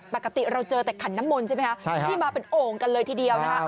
ปกติเราเจอแต่ขันน้ำมนต์ใช่ไหมคะที่มาเป็นโอ่งกันเลยทีเดียวนะคะ